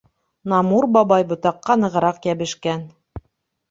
Намур бабай ботаҡҡа нығыраҡ йәбешкән.